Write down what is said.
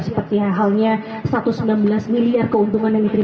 seperti halnya satu ratus sembilan belas miliar keuntungan yang diterima